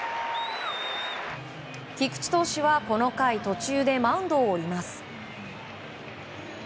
菊池投手はこの回途中でマウンドを降ります。